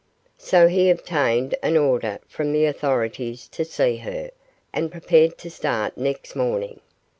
So he obtained an order from the authorities to see her, and prepared to start next morning.